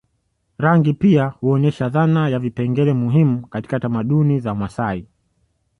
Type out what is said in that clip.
Rangi pia huonyesha dhana na vipengele muhimu katika tamaduni za Wamasai